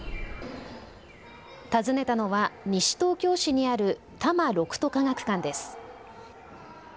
訪ねたのは西東京市にある多摩六都科学館です。